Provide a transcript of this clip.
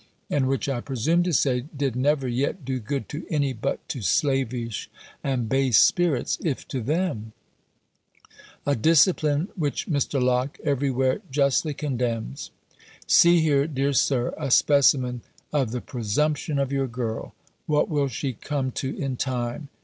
and which, I presume to say, did never yet do good to any but to slavish and base spirits, if to them; a discipline which Mr. Locke every where justly condemns. See here, dear Sir, a specimen of the presumption of your girl: "What will she come to in time!"